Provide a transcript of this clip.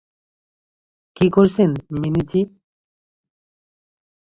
কী করেছেন মিনি জি?